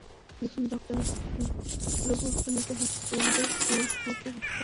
দেখুন, ডাঃ রোবটনিকের হাত থেকে আমাদের গ্রহকে রক্ষা করার ব্যাপারে কী করছেন?